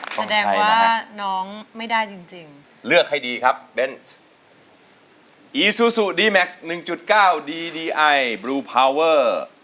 แสดงว่าน้องไม่ได้จริงจริงเลือกให้ดีครับเบนส์อีซูซูดีแม็กซ์หนึ่งจุดเก้าดีดีไอบลูพาวเวอร์